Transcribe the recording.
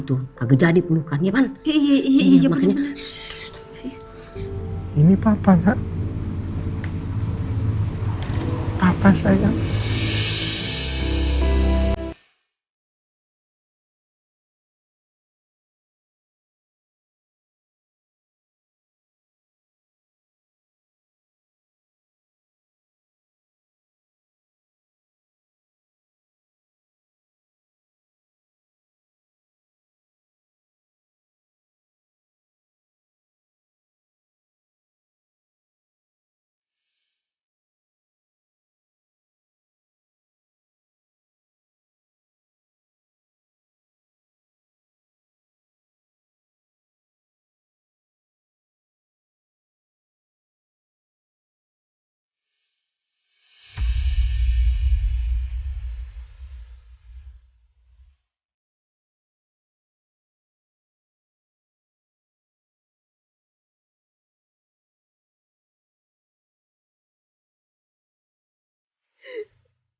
udah seneng banget